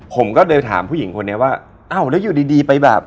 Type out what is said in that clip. ผมก็เลยถามผู้หญิงคนนี้ว่าอ้าวแล้วอยู่ดีดีไปแบบ